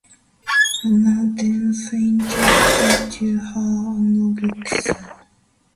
Hannah then fainted due to her anorexia.